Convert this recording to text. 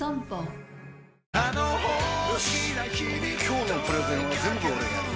今日のプレゼンは全部俺がやる！